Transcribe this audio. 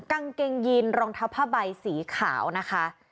กางเกงยีนรองเท้าผ้าใบสีขาวนะคะ